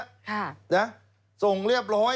ค่ะนะส่งเรียบร้อย